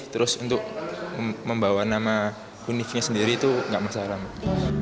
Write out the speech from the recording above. terus untuk membawa nama uniknya sendiri itu nggak masalah mbak